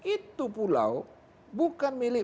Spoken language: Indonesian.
itu pulau bukan milik